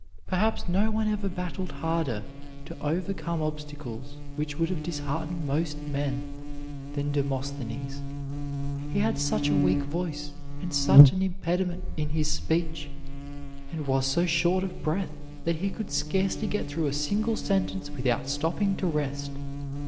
Perhaps no one ever battled harder to overcome obstacles which would have disheartened most men than Demosthenes. He had such a weak voice, and such an impediment in his speech, and was so short of breath, that he could scarcely get through a single sentence without stopping to rest.